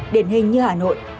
điển hình như hà nội